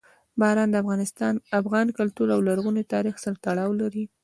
باران د افغان کلتور او لرغوني تاریخ سره تړاو لري.